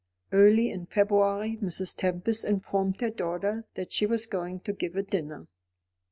Early in February Mrs. Tempest informed her daughter that she was going to give a dinner.